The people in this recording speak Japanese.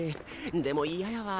でも嫌やわ。